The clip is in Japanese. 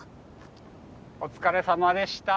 お疲れさまでした！